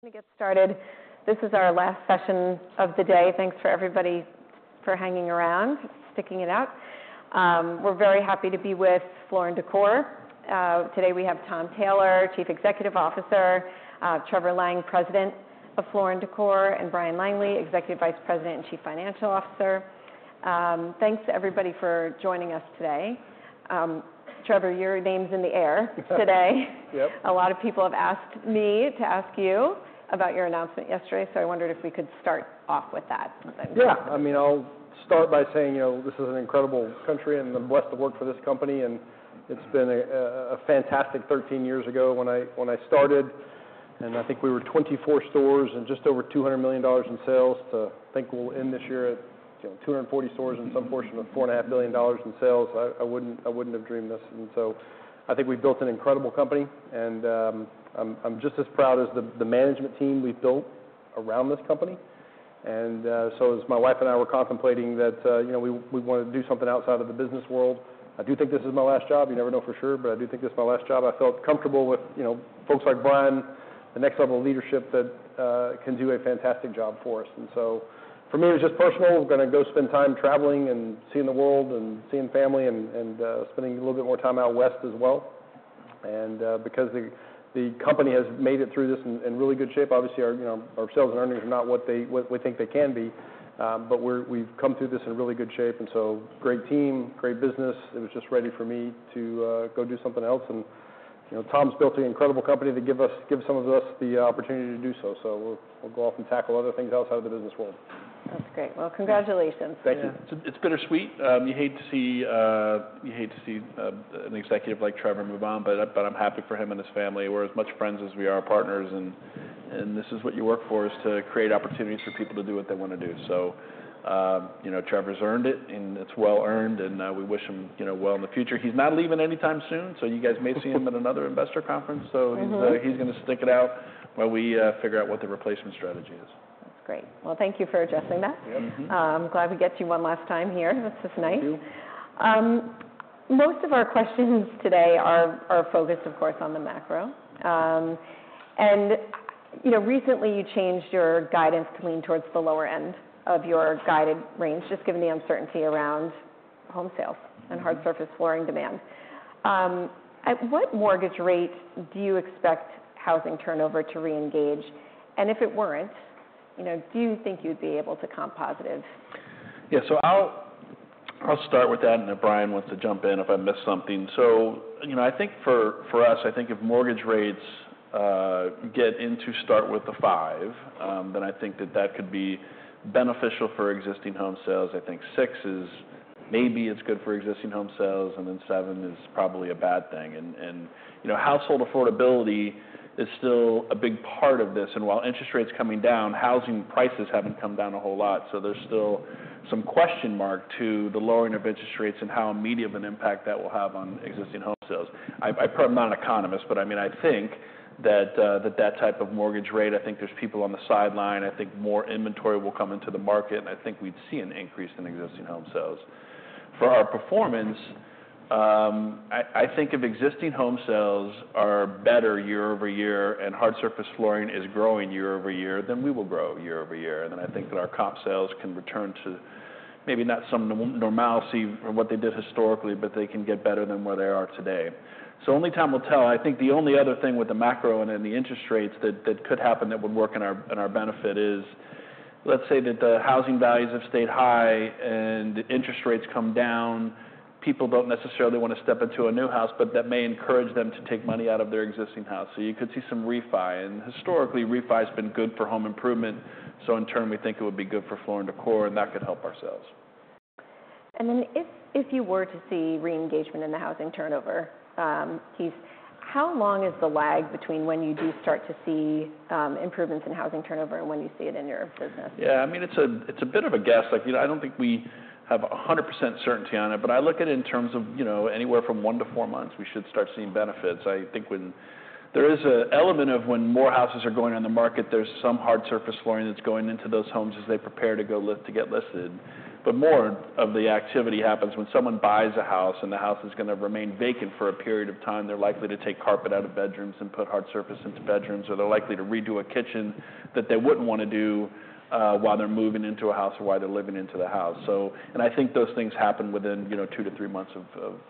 We get started. This is our last session of the day. Thanks for everybody for hanging around, sticking it out. We're very happy to be with Floor & Decor. Today, we have Tom Taylor, Chief Executive Officer, Trevor Lang, President of Floor & Decor, and Bryan Langley, Executive Vice President and Chief Financial Officer. Thanks to everybody for joining us today. Trevor, your name's in the air today. Yep. A lot of people have asked me to ask you about your announcement yesterday, so I wondered if we could start off with that. Yeah. I mean, I'll start by saying, you know, this is an incredible country, and I'm blessed to work for this company, and it's been a fantastic 13 years ago when I started, and I think we were 24 stores and just over $200 million in sales, to think we'll end this year at, you know, 240 stores and some portion of $4.5 billion in sales. I wouldn't have dreamed this, and so I think we've built an incredible company, and I'm just as proud as the management team we've built around this company. And so as my wife and I were contemplating that, you know, we wanted to do something outside of the business world. I do think this is my last job. You never know for sure, but I do think this is my last job. I felt comfortable with, you know, folks like Bryan, the next level of leadership that can do a fantastic job for us. And so for me, it's just personal. We're gonna go spend time traveling and seeing the world and seeing family and spending a little bit more time out west as well. And because the company has made it through this in really good shape, obviously, you know, our sales and earnings are not what we think they can be, but we've come through this in really good shape, and so great team, great business. It was just ready for me to go do something else, and, you know, Tom's built an incredible company to give some of us the opportunity to do so. So we'll go off and tackle other things outside of the business world. That's great. Well, congratulations. Thank you. It's bittersweet. You hate to see an executive like Trevor move on, but I'm happy for him and his family. We're as much friends as we are partners, and this is what you work for, is to create opportunities for people to do what they want to do. So, you know, Trevor's earned it, and it's well-earned, and we wish him, you know, well in the future. He's not leaving anytime soon, so you guys may see him at another investor conference. Mm-hmm. He's gonna stick it out while we figure out what the replacement strategy is. That's great. Well, thank you for addressing that. Yep. Mm-hmm. Glad we get you one last time here. This is nice. Thank you. Most of our questions today are focused, of course, on the macro, and, you know, recently, you changed your guidance to lean towards the lower-end of your guided range, just given the uncertainty home sales, and hard surface flooring demand. At what mortgage rate do you expect housing turnover to reengage? And if it weren't, you know, do you think you'd be able to comp positive? Yeah. So I'll start with that, and if Bryan wants to jump in if I miss something. So you know, I think for us, I think if mortgage rates get into the fives, then I think that could be beneficial for home sales. I think six is maybe good for home sales, and then seven is probably a bad thing. And you know, household affordability is still a big part of this, and while interest rates coming down, housing prices haven't come down a whole lot, so there's still some question mark to the lowering of interest rates and how immediate of an impact that will have on existing home sales. I'm not an economist, but I mean, I think that type of mortgage rate. I think there's people on the sidelines. I think more inventory will come into the market, and I think we'd see an increase in existing home sales. For our performance, I think if home sales are better year-over-year, and hard surface flooring is growing year-over-year, then we will grow year-over-year. And then I think that our comp sales can return to maybe not some normalcy from what they did historically, but they can get better than where they are today. So only time will tell. I think the only other thing with the macro and then the interest rates that could happen that would work in our benefit is, let's say that the housing values have stayed high and interest rates come down. People don't necessarily want to step into a new house, but that may encourage them to take money out of their existing house. So you could see some refi, and historically, refi's been good for home improvement. So in turn, we think it would be good for Floor & Decor, and that could help our sales. And then if you were to see reengagement in the housing turnover, Keith, how long is the lag between when you do start to see improvements in housing turnover and when you see it in your business? Yeah, I mean, it's a bit of a guess. Like, you know, I don't think we have 100% certainty on it, but I look at it in terms of, you know, anywhere from one to four months, we should start seeing benefits. I think when... There is an element of when more houses are going on the market, there's some hard surface flooring that's going into those homes as they prepare to go list- to get listed. But more of the activity happens when someone buys a house, and the house is gonna remain vacant for a period of time. They're likely to take carpet out of bedrooms and put hard surface into bedrooms, or they're likely to redo a kitchen that they wouldn't want to do while they're moving into a house or while they're living into the house. So... I think those things happen within, you know, two to three months of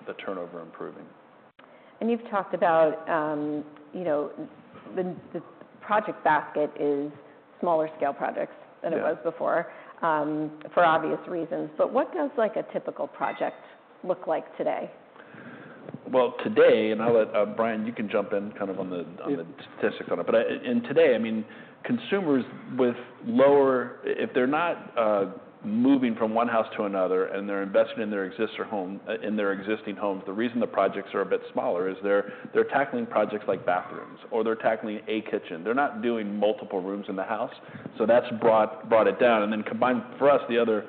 the turnover improving. You've talked about, you know, the project basket is smaller scale projects- Yeah.... than it was before, for obvious reasons. But what does like a typical project look like today? Today, and I'll let Bryan, you can jump in, kind of, on the- Yeah.... statistics on it, but and today, I mean, consumers with lower. If they're not moving from one house to another, and they're invested in their existing home in their existing homes, the reason the projects are a bit smaller is they're tackling projects like bathrooms or they're tackling a kitchen. They're not doing multiple rooms in the house, so that's brought it down. And then combined, for us, the other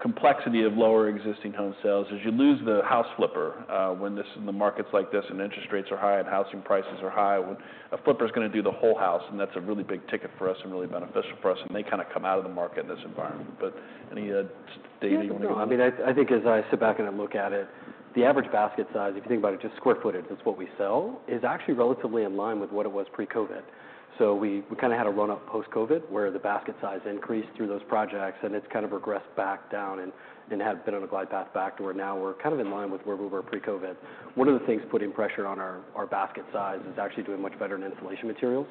complexity of lower home sales is you lose the house flipper. When the market's like this, and interest rates are high and housing prices are high, when a flipper is gonna do the whole house, and that's a really big ticket for us and really beneficial for us, and they kind of come out of the market in this environment. But any data you want to- No, I mean, I, I think as I sit back and I look at it, the average basket size, if you think about it, just square footage, that's what we sell, is actually relatively in line with what it was pre-COVID. So we, we kind of had a run-up post-COVID, where the basket size increased through those projects, and it's kind of regressed back down and, and have been on a glide path back to where now we're kind of in line with where we were pre-COVID. One of the things putting pressure on our, our basket size is actually doing much better in installation materials.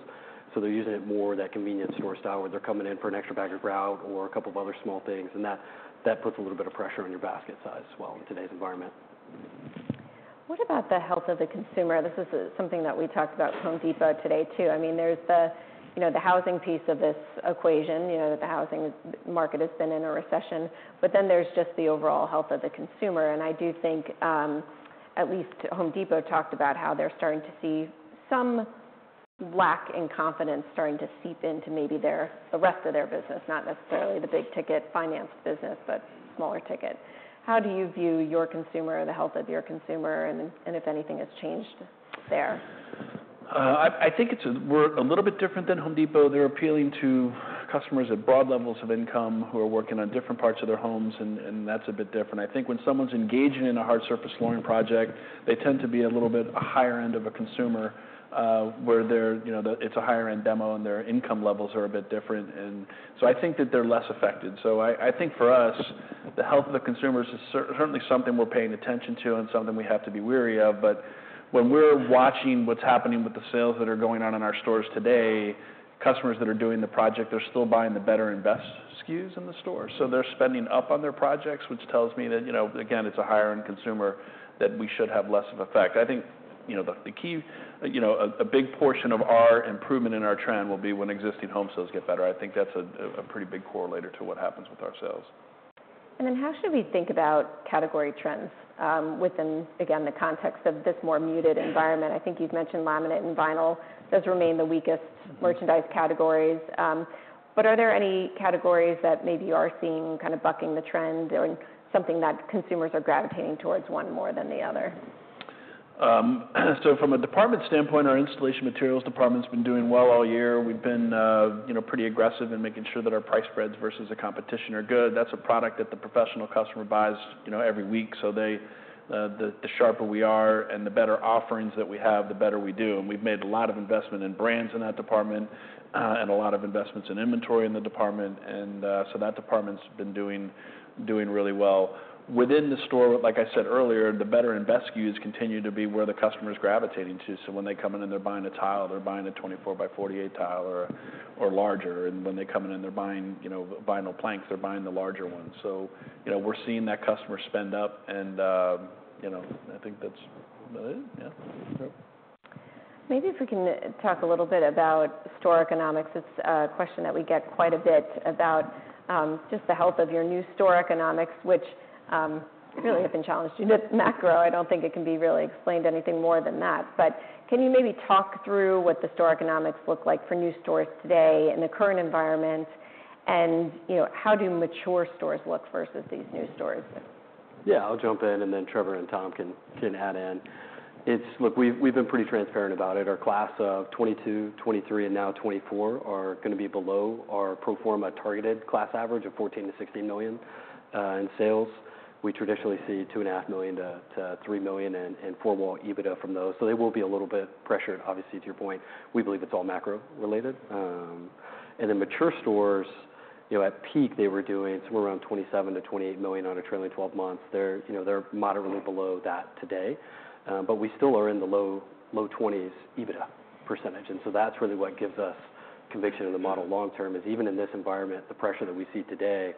So they're using it more in that convenience store style, where they're coming in for an extra bag of grout or a couple of other small things, and that, that puts a little bit of pressure on your basket size as well in today's environment. What about the health of the consumer? This is something that we talked about Home Depot today, too. I mean, there's the, you know, the housing piece of this equation, you know, that the housing market has been in a recession, but then there's just the overall health of the consumer. And I do think, at least Home Depot talked about how they're starting to see some lack in confidence starting to seep into maybe their, the rest of their business, not necessarily the big-ticket finance business, but smaller ticket. How do you view your consumer, or the health of your consumer, and, and if anything has changed there? I think it's. We're a little bit different than Home Depot. They're appealing to customers at broad levels of income who are working on different parts of their homes, and that's a bit different. I think when someone's engaging in a hard surface flooring project, they tend to be a little bit a higher end of a consumer, where they're, you know, it's a higher end demo, and their income levels are a bit different. And so I think that they're less affected. So I think for us, the health of the consumers is certainly something we're paying attention to and something we have to be wary of. But when we're watching what's happening with the sales that are going on in our stores today, customers that are doing the project, they're still buying the better and best SKUs in the store. So they're spending up on their projects, which tells me that, you know, again, it's a higher end consumer, that we should have less of effect. I think, you know, the key. You know, a big portion of our improvement in our trend will be when home sales get better. I think that's a pretty big correlator to what happens with our sales. And then how should we think about category trends, within, again, the context of this more muted environment? I think you'd mentioned laminate and vinyl. Those remain the weakest- Mm-hmm. merchandise categories, but are there any categories that maybe you are seeing kind of bucking the trend or something that consumers are gravitating towards, one more than the other? So from a department standpoint, our installation materials department's been doing well all year. We've been, you know, pretty aggressive in making sure that our price spreads versus the competition are good. That's a product that the professional customer buys, you know, every week, so they, the sharper we are and the better offerings that we have, the better we do. And we've made a lot of investment in brands in that department, and a lot of investments in inventory in the department. And, so that department's been doing really well. Within the store, like I said earlier, the better and best SKUs continue to be where the customer's gravitating to. So when they come in and they're buying a tile, they're buying a 24 by 48 tile or, or larger, and when they're coming in, they're buying, you know, vinyl planks, they're buying the larger ones. So, you know, we're seeing that customer spend up, and, you know, I think that's about it. Yeah. Maybe if we can talk a little bit about store economics. It's a question that we get quite a bit about, just the health of your new store economics, which, really have been challenged in this macro. I don't think it can be really explained anything more than that. But can you maybe talk through what the store economics look like for new stores today in the current environment? And, you know, how do mature stores look versus these new stores? Yeah, I'll jump in, and then Trevor and Tom can add in. Look, we've been pretty transparent about it. Our class of 2022, 2023, and now 2024 are going to be below our pro forma targeted class average of 14-16 million in sales. We traditionally see $2.5 million-$3 million in formal EBITDA from those, so they will be a little bit pressured. Obviously, to your point, we believe it's all macro-related. And the mature stores, you know, at peak, they were doing somewhere around $27 million-$28 million on a trailing 12 months. They're, you know, they're moderately below that today, but we still are in the low-20s EBITDA %. And so that's really what gives us conviction in the model long-term. Even in this environment, the pressure that we see today,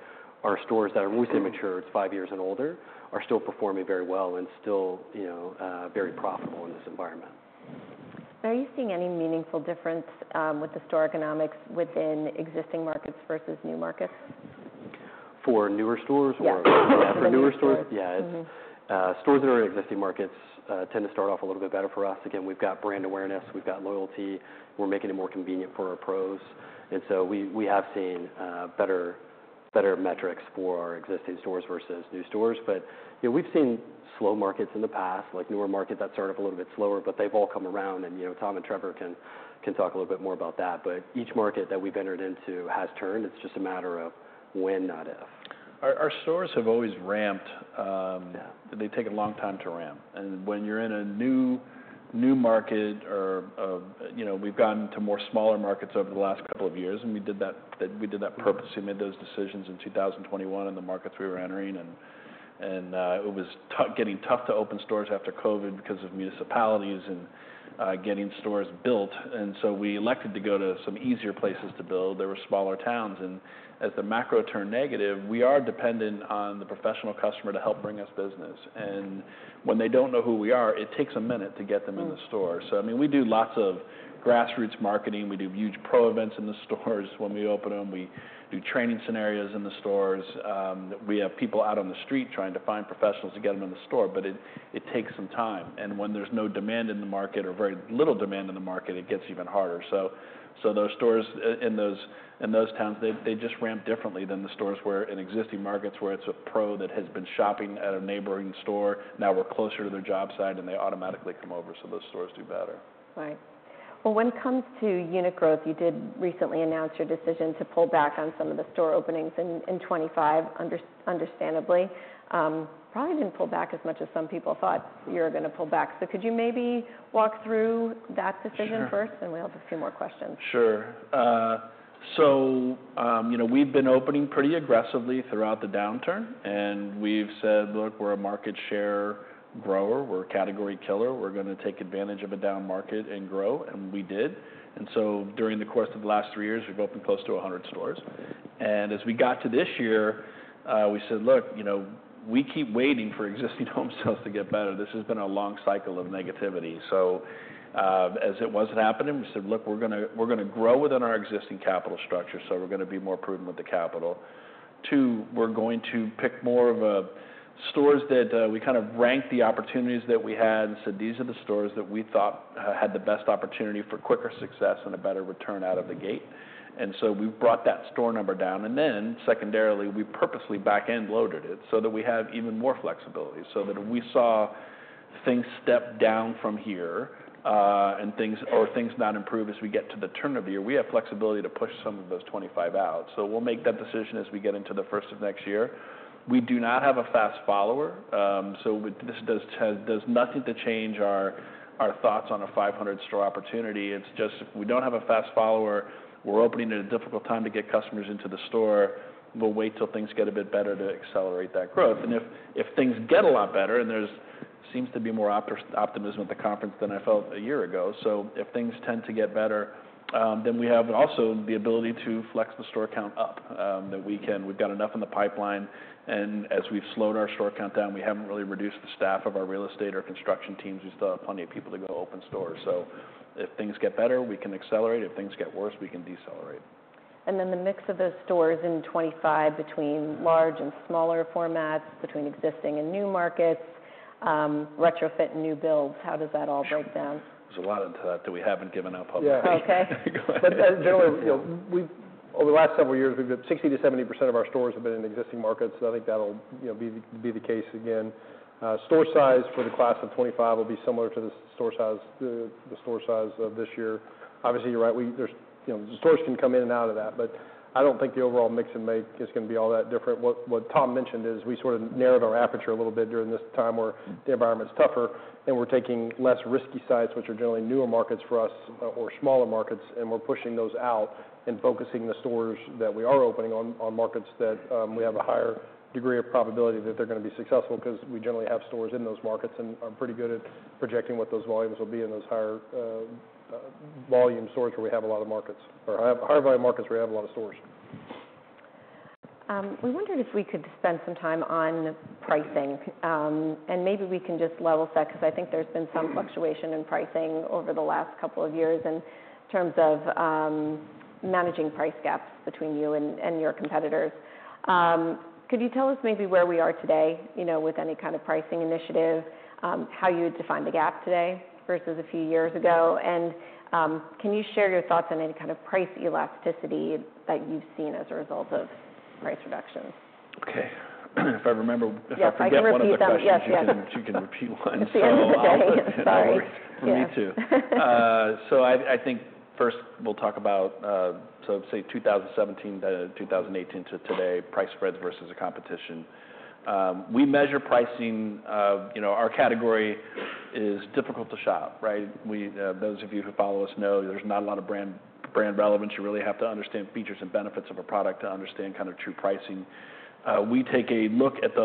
our stores that are mostly mature—it's five years and older—are still performing very well and still, you know, very profitable in this environment. Are you seeing any meaningful difference with the store economics within existing markets versus new markets? For newer stores or Yeah. For newer stores? Mm-hmm. Yeah, stores that are in existing markets tend to start off a little bit better for us. Again, we've got brand awareness, we've got loyalty, we're making it more convenient for our pros, and so we have seen better metrics for our existing stores versus new stores, but you know, we've seen slow markets in the past, like newer markets that start up a little bit slower, but they've all come around, and you know, Tom and Trevor can talk a little bit more about that, but each market that we've entered into has turned. It's just a matter of when, not if. Our stores have always ramped. Yeah. They take a long time to ramp, and when you're in a new market or, you know, we've gotten to more smaller markets over the last couple of years, and we did that, we did that purposely. We made those decisions in 2021, in the markets we were entering, and it was tough to open stores after COVID because of municipalities and getting stores built, and so we elected to go to some easier places to build. There were smaller towns, and as the macro turned negative, we are dependent on the professional customer to help bring us business. When they don't know who we are, it takes a minute to get them in the store, so I mean, we do lots of grassroots marketing. We do huge pro events in the stores when we open them. We do training scenarios in the stores. We have people out on the street trying to find professionals to get them in the store, but it takes some time, and when there's no demand in the market or very little demand in the market, it gets even harder. So those stores in those towns, they just ramp differently than the stores where, in existing markets, where it's a pro that has been shopping at a neighboring store, now we're closer to their job site, and they automatically come over, so those stores do better. Right. Well, when it comes to unit growth, you did recently announce your decision to pull back on some of the store openings in 2025, understandably. Probably didn't pull back as much as some people thought you were going to pull back. So could you maybe walk through that decision first? Sure. And we have a few more questions. Sure, So, you know, we've been opening pretty aggressively throughout the downturn, and we've said, "Look, we're a market share grower. We're a category killer. We're gonna take advantage of a down market and grow," and we did. And so during the course of the last three years, we've opened close to 100 stores. And as we got to this year, we said, "Look, you know, we keep waiting for home sales to get better." This has been a long cycle of negativity. So, as it wasn't happening, we said, "Look, we're gonna grow within our existing capital structure, so we're gonna be more prudent with the capital. Two, we're going to pick more of a stores that... We kind of ranked the opportunities that we had and said, "These are the stores that we thought had the best opportunity for quicker success and a better return out of the gate." And so we brought that store number down, and then secondarily, we purposely back-end loaded it so that we have even more flexibility, so that if we saw things step down from here, and things or things not improve as we get to the turn of year, we have flexibility to push some of those 25 out. So we'll make that decision as we get into the first of next year. We do not have a fast follower, so with this does nothing to change our thoughts on a 500-store opportunity. It's just, we don't have a fast follower. We're opening at a difficult time to get customers into the store. We'll wait till things get a bit better to accelerate that growth. And if things get a lot better, and there seems to be more optimism at the conference than I felt a year ago, so if things tend to get better, then we have also the ability to flex the store count up, that we can. We've got enough in the pipeline, and as we've slowed our store count down, we haven't really reduced the staff of our real estate or construction teams. We still have plenty of people to go open stores. So if things get better, we can accelerate. If things get worse, we can decelerate. Then the mix of those stores in 2025 between large and smaller formats, between existing and new markets, retrofit and new builds, how does that all break down? There's a lot into that, that we haven't given out publicly. Okay. Go ahead. But, generally, you know, we've over the last several years, we've got 60%-70% of our stores have been in existing markets, so I think that'll, you know, be the case again. Store size for the class of 2025 will be similar to the store size of this year. Obviously, you're right, we, there's, you know, the stores can come in and out of that, but I don't think the overall mix and make is gonna be all that different. What Tom mentioned is we sort of narrowed our aperture a little bit during this time where the environment's tougher, and we're taking less risky sites, which are generally newer markets for us or smaller markets, and we're pushing those out and focusing the stores that we are opening on markets that we have a higher degree of probability that they're gonna be successful. 'Cause we generally have stores in those markets and are pretty good at projecting what those volumes will be in those higher volume stores where we have a lot of markets or high volume markets where we have a lot of stores. We wondered if we could spend some time on pricing. Maybe we can just level set, 'cause I think there's been some fluctuation in pricing over the last couple of years in terms of managing price gaps between you and your competitors. Could you tell us maybe where we are today, you know, with any kind of pricing initiative, how you would define the gap today versus a few years ago? And can you share your thoughts on any kind of price elasticity that you've seen as a result of price reductions? Okay. If I remember- Yes, I can repeat them. If I forget one of the questions- Yes, yes.... you can repeat one. It's been a while. Sorry. For me too. So I think first we'll talk about, so say, 2017 to 2018 to today, price spreads versus the competition. We measure pricing, you know, our category is difficult to shop, right? Those of you who follow us know there's not a lot of brand relevance. You really have to understand features and benefits of a product to understand kind of true pricing. We take a look at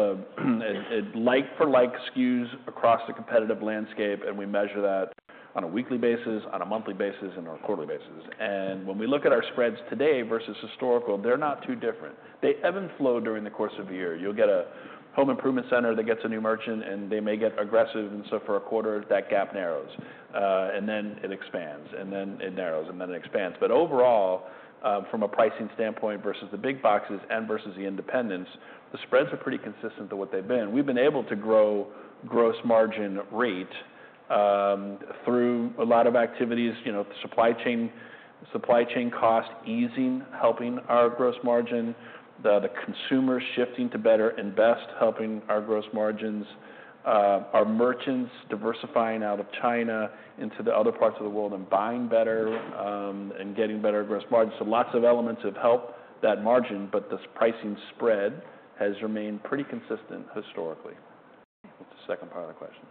like-for-like SKUs across the competitive landscape, and we measure that on a weekly basis, on a monthly basis, and on a quarterly basis, and when we look at our spreads today versus historical, they're not too different. They ebb and flow during the course of a year. You'll get a home improvement center that gets a new merchant, and they may get aggressive, and so for a quarter, that gap narrows, and then it expands, and then it narrows, and then it expands. But overall, from a pricing standpoint versus the big boxes and versus the independents, the spreads are pretty consistent to what they've been. We've been able to grow gross margin rate, through a lot of activities, you know, supply chain, supply chain cost easing, helping our gross margin, the consumer shifting to better and best, helping our gross margins, our merchants diversifying out of China into the other parts of the world and buying better, and getting better gross margins. So lots of elements have helped that margin, but this pricing spread has remained pretty consistent historically. What's the second part of the question?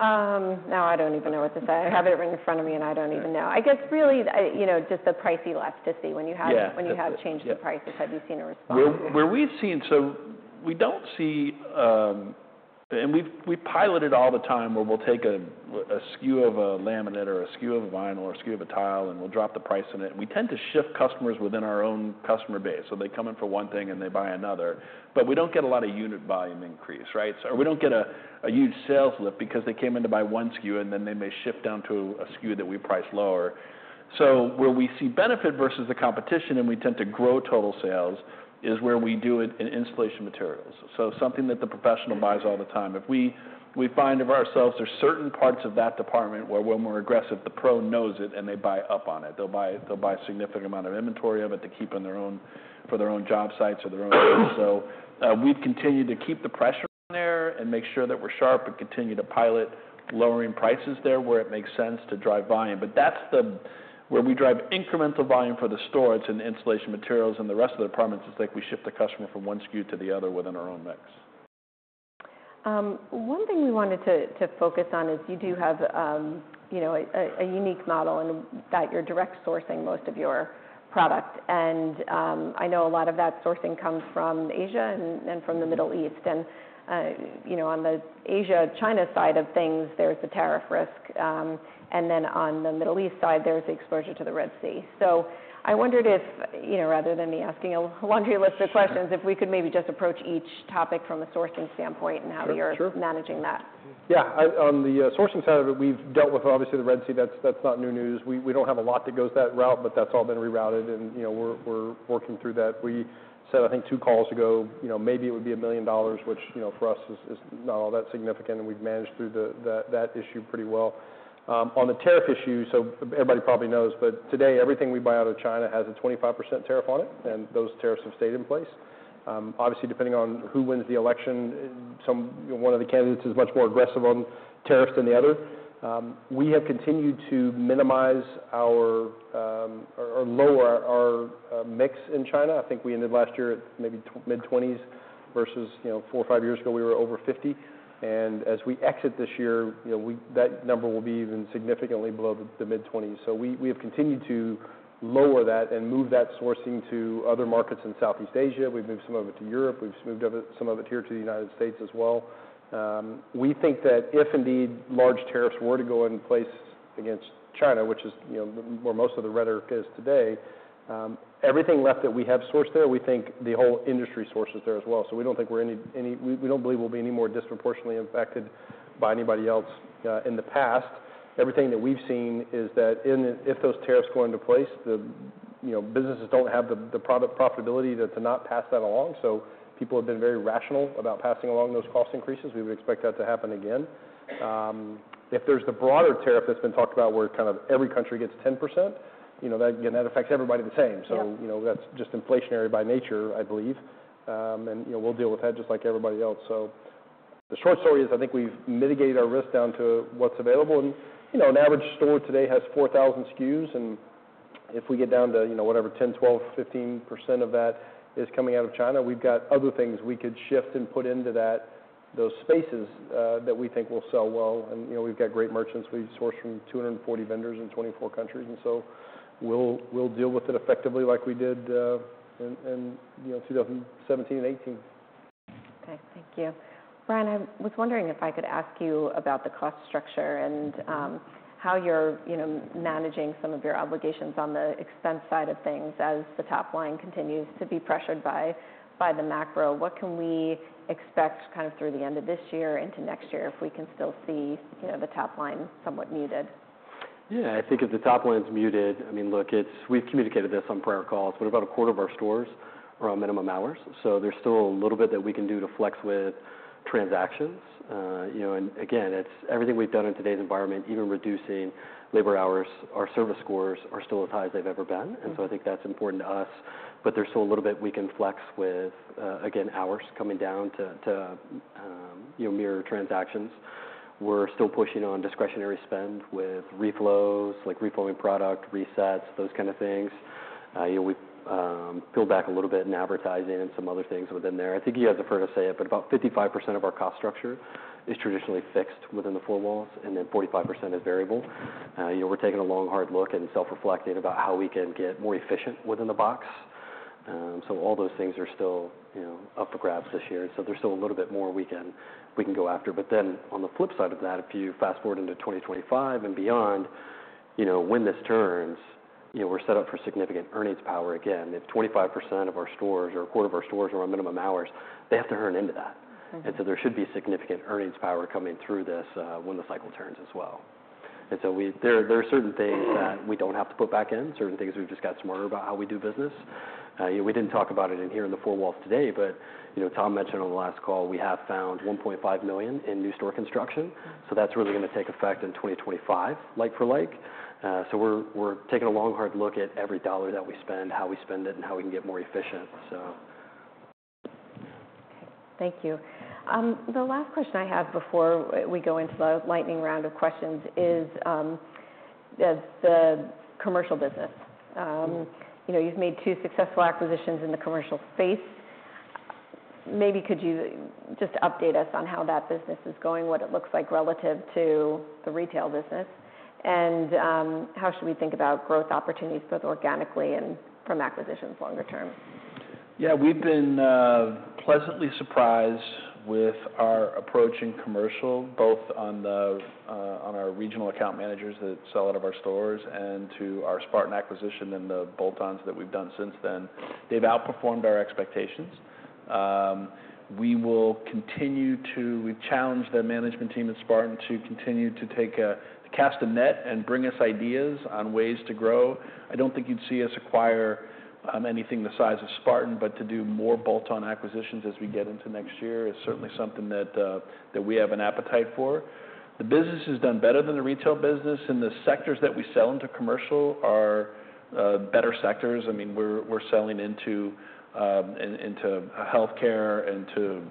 Now I don't even know what to say. I have it right in front of me, and I don't even know. All right. I guess really, you know, just the price elasticity when you have- Yeah. When you have changed. Yeah... the prices, have you seen a response? Where we've seen... So we don't see... And we pilot it all the time, where we'll take a SKU of a laminate or a SKU of a vinyl or a SKU of a tile, and we'll drop the price on it, and we tend to shift customers within our own customer base. So they come in for one thing, and they buy another, but we don't get a lot of unit volume increase, right? We don't get a huge sales lift because they came in to buy one SKU, and then they may shift down to a SKU that we price lower. Where we see benefit versus the competition, and we tend to grow total sales, is where we do it in installation materials. Something that the professional buys all the time. If we find ourselves, there's certain parts of that department where we're more aggressive, the pro knows it, and they buy up on it. They'll buy a significant amount of inventory of it to keep in their own for their own job sites or their own. So, we've continued to keep the pressure on there and make sure that we're sharp and continue to pilot lowering prices there, where it makes sense to drive volume. But that's where we drive incremental volume for the store, it's in the installation materials, and the rest of the departments, it's like we shift the customer from one SKU to the other within our own mix. One thing we wanted to focus on is you do have, you know, a unique model, and that you're direct sourcing most of your product. I know a lot of that sourcing comes from Asia and from the Middle East. You know, on the Asia, China side of things, there's the tariff risk, and then on the Middle East side, there's the exposure to the Red Sea, so I wondered if, you know, rather than me asking a laundry list of questions- Sure. If we could maybe just approach each topic from a sourcing standpoint and how you're Sure, sure. managing that. Yeah, on the sourcing side of it, we've dealt with, obviously, the Red Sea. That's not new news. We don't have a lot that goes that route, but that's all been rerouted, and, you know, we're working through that. We said, I think two calls ago, you know, maybe it would be $1 million, which, you know, for us is not all that significant, and we've managed through that issue pretty well. On the tariff issue, so everybody probably knows, but today, everything we buy out of China has a 25% tariff on it, and those tariffs have stayed in place. Obviously, depending on who wins the election, some, you know, one of the candidates is much more aggressive on tariffs than the other. We have continued to minimize our, or lower our, mix in China. I think we ended last year at maybe mid-twenties versus, you know, four or five years ago, we were over fifty, and as we exit this year, you know, that number will be even significantly below the mid-twenties, so we have continued to lower that and move that sourcing to other markets in Southeast Asia. We've moved some of it to Europe. We've moved some of it here to the United States as well. We think that if, indeed, large tariffs were to go in place against China, which is, you know, where most of the rhetoric is today, everything left that we have sourced there, we think the whole industry sources there as well. So we don't believe we'll be any more disproportionately impacted by anybody else. In the past, everything that we've seen is that if those tariffs go into place, you know, businesses don't have the product profitability to not pass that along. So people have been very rational about passing along those cost increases. We would expect that to happen again. If there's the broader tariff that's been talked about, where kind of every country gets 10%, you know, that again affects everybody the same. Yeah. So, you know, that's just inflationary by nature, I believe. And, you know, we'll deal with that just like everybody else. The short story is, I think we've mitigated our risk down to what's available. And, you know, an average store today has 4,000 SKUs, and if we get down to, you know, whatever, 10%, 12%, 15% of that is coming out of China, we've got other things we could shift and put into that, those spaces, that we think will sell well. And, you know, we've got great merchants. We source from 240 vendors in 24 countries, and so we'll deal with it effectively like we did in, you know, 2017 and 2018. Okay, thank you. Bryan, I was wondering if I could ask you about the cost structure and how you're, you know, managing some of your obligations on the expense side of things as the top-line continues to be pressured by the macro. What can we expect kind of through the end of this year into next year if we can still see, you know, the top-line somewhat muted? Yeah, I think if the top-line is muted, I mean, look, it's. We've communicated this on prior calls, but about a quarter of our stores are on minimum hours, so there's still a little bit that we can do to flex with transactions. You know, and again, it's everything we've done in today's environment, even reducing labor hours, our service scores are still as high as they've ever been. I think that's important to us, but there's still a little bit we can flex with, again, hours coming down to, you know, mirror transactions. We're still pushing on discretionary spend with reflows, like reflowing product, resets, those kind of things. We pulled back a little bit in advertising and some other things within there. I think you guys have heard us say it, but about 55% of our cost structure is traditionally fixed within the four walls, and then 45% is variable. You know, we're taking a long, hard look and self-reflecting about how we can get more efficient within the box. All those things are still, you know, up for grabs this year. There's still a little bit more we can go after. But then, on the flip side of that, if you fast-forward into 2025 and beyond, you know, when this turns, you know, we're set up for significant earnings power again. If 25% of our stores or a quarter of our stores are on minimum hours, they have to earn into that. And so there should be significant earnings power coming through this, when the cycle turns as well. And so there are certain things that we don't have to put back in, certain things we've just got smarter about how we do business. You know, we didn't talk about it in here in the four walls today, but, you know, Tom mentioned on the last call, we have found $1.5 million in new store construction. So that's really going to take effect in 2025, like for like. So we're taking a long, hard look at every dollar that we spend, how we spend it, and how we can get more efficient, so. Okay, thank you. The last question I have before we go into the lightning round of questions is the commercial business. You know, you've made two successful acquisitions in the commercial space. Maybe could you just update us on how that business is going, what it looks like relative to the retail business, and how should we think about growth opportunities, both organically and from acquisitions longer-term? Yeah, we've been pleasantly surprised with our approach in commercial, both on our regional account managers that sell out of our stores and to our Spartan acquisition and the bolt-ons that we've done since then. They've outperformed our expectations. We will continue to. We've challenged the management team at Spartan to continue to cast a net and bring us ideas on ways to grow. I don't think you'd see us acquire anything the size of Spartan, but to do more bolt-on acquisitions as we get into next year is certainly something that we have an appetite for. The business has done better than the retail business, and the sectors that we sell into commercial are better sectors. I mean, we're selling into healthcare, into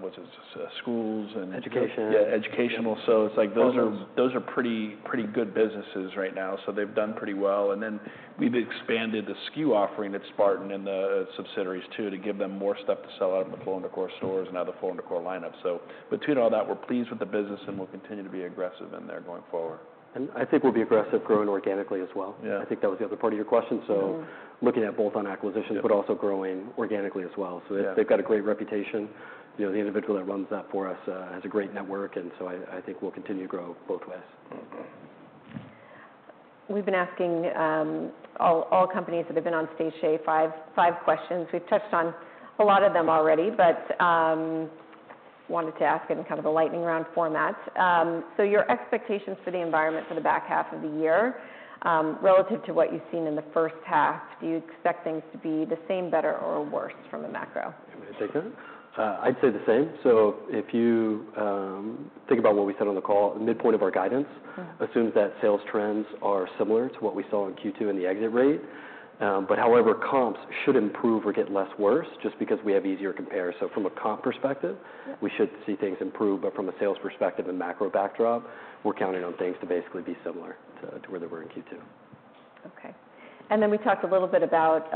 what is this? Schools and- Education. Yeah, educational. So it's like, those are, those are pretty, pretty good businesses right now, so they've done pretty well. Then we've expanded the SKU offering at Spartan and the subsidiaries, too, to give them more stuff to sell out in the Floor & Decor stores and other Floor & Decor lineups. So between all that, we're pleased with the business and we'll continue to be aggressive in there going forward. I think we'll be aggressive growing organically as well. Yeah. I think that was the other part of your question. So looking at both on acquisitions- Yeah.... but also growing organically as well. Yeah. So they, they've got a great reputation. You know, the individual that runs that for us has a great network, and so I think we'll continue to grow both ways.... We've been asking all companies that have been on stage, five questions. We've touched on a lot of them already, but wanted to ask in kind of a lightning round format, so your expectations for the environment for the back half of the year, relative to what you've seen in the first half, do you expect things to be the same, better, or worse from the macro? You want me to take that? I'd say the same. So if you think about what we said on the call, the midpoint of our guidance, assumes that sales trends are similar to what we saw in Q2 and the exit rate. But however, comps should improve or get less worse, just because we have easier compares. So from a comp perspective, we should see things improve, but from a sales perspective and macro backdrop, we're counting on things to basically be similar to where they were in Q2. Okay. And then we talked a little bit about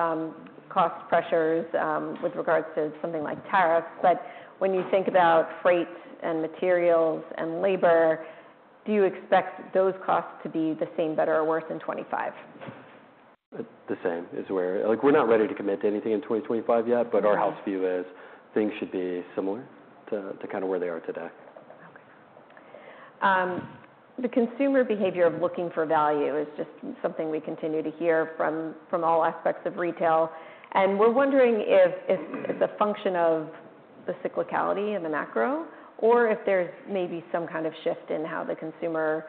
cost pressures, with regards to something like tariffs, but when you think about freight and materials and labor, do you expect those costs to be the same, better, or worse in 2025? The same is where... Like, we're not ready to commit to anything in 2025 yet. Yeah... but our house view is things should be similar to kind of where they are today. Okay. The consumer behavior of looking for value is just something we continue to hear from, from all aspects of retail, and we're wondering if, if it's a function of the cyclicality and the macro, or if there's maybe some kind of shift in how the consumer,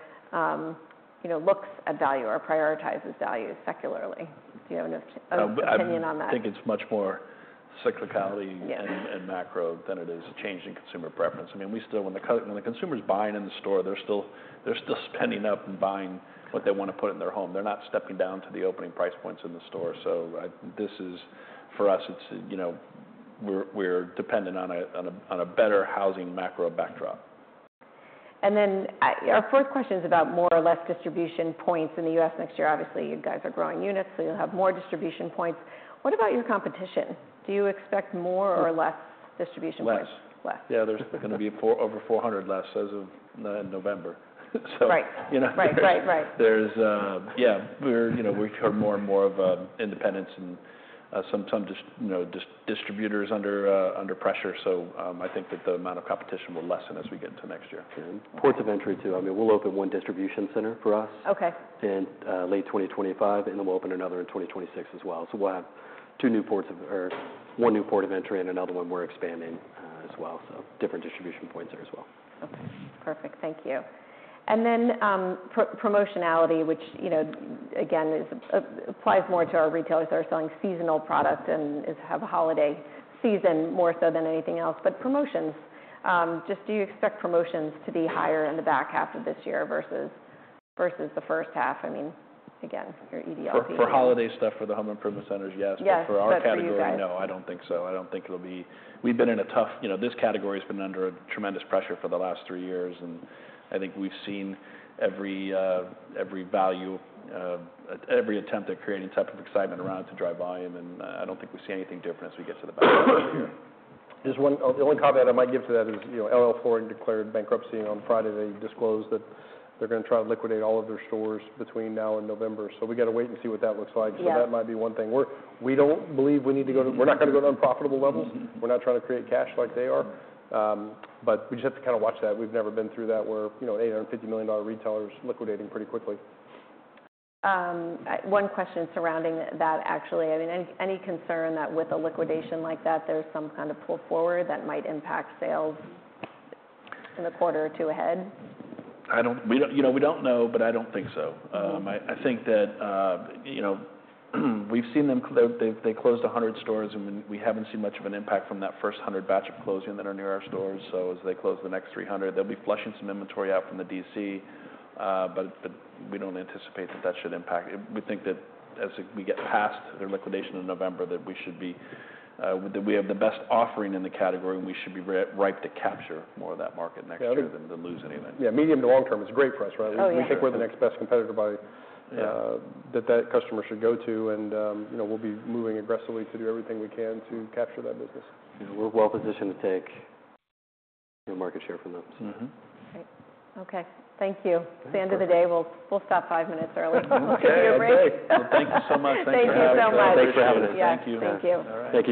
you know, looks at value or prioritizes value secularly. Do you have an opinion on that? I think it's much more cyclicality- Yes.... and macro than it is a change in consumer preference. I mean, we still, when the consumer's buying in the store, they're still spending up and buying what they want to put in their home. They're not stepping down to the opening price points in the store, so this is, for us, it's, you know, we're dependent on a better housing macro backdrop. Our fourth question is about more or less distribution points in the U.S. next year. Obviously, you guys are growing units, so you'll have more distribution points. What about your competition? Do you expect more or less distribution points? Less. Less. Yeah, there's going to be over 400 less as of November. So- Right.... you know. Right, right, right. There's... Yeah, we're, you know, we hear more and more of independents and sometimes distributors under pressure. So, I think that the amount of competition will lessen as we get into next year. Ports of entry, too. I mean, we'll open one distribution center for us- Okay.... in, late 2025, and then we'll open another in 2026 as well. So we'll have two new ports of, or one new port of entry and another one we're expanding, as well, so different distribution points there as well. Okay, perfect. Thank you. And then promotionality, which, you know, again, applies more to our retailers that are selling seasonal product and has a holiday season more so than anything else. But promotions, just do you expect promotions to be higher in the back half of this year versus the first half? I mean, again, your EDLP- For holiday stuff, for the home improvement centers, yes. Yes, but for you guys. But for our category, no, I don't think so. I don't think it'll be... We've been in a tough-- You know, this category's been under tremendous pressure for the last three years, and I think we've seen every value, every attempt at creating type of excitement around to drive by, and then, I don't think we see anything different as we get to the back half. Just one, the only comment I might give to that is, you know, LL Flooring declared bankruptcy on Friday. They disclosed that they're gonna try and liquidate all of their stores between now and November, so we gotta wait and see what that looks like. Yeah. So that might be one thing. We don't believe we need to go to unprofitable levels. We're not gonna go to unprofitable levels. We're not trying to create cash like they are. But we just have to kind of watch that. We've never been through that, where, you know, an $850 million retailer is liquidating pretty quickly. One question surrounding that, actually. I mean, any concern that with a liquidation like that, there's some kind of pull forward that might impact sales in the quarter or two ahead? We don't, you know, we don't know, but I don't think so. I think that, you know, we've seen them. They've closed 100 stores, and we haven't seen much of an impact from that first 100 batch of closing that are near our stores. So as they close the next 300, they'll be flushing some inventory out from the DC, but we don't anticipate that that should impact. We think that as we get past their liquidation in November, that we should be that we have the best offering in the category, and we should be ripe to capture more of that market next year. Yeah.... than to lose anything. Yeah, medium to long term, it's great for us, right? Oh, yeah. We think we're the next best competitor by, Yeah.... that that customer should go to, and, you know, we'll be moving aggressively to do everything we can to capture that business. Yeah, we're well-positioned to take the market share from them. Mm-hmm. Great. Okay, thank you. Thanks. It's the end of the day. We'll stop five minutes early. We'll give you a break. Okay, great. Thank you so much. Thank you so much. Thanks for having us. Yeah. Thank you. Thank you. All right. Thank you, guys.